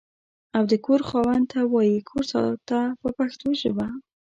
او د کور خاوند ته وایي کور ساته په پښتو ژبه.